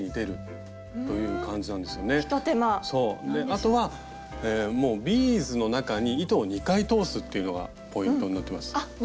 あとはもうビーズの中に糸を２回通すっていうのがポイントになってます。